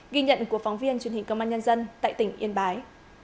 ghi nhận của phóng viên truyền hình công an nhân dân tại tỉnh yên bái